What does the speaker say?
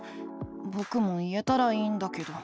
ぼくも言えたらいいんだけど。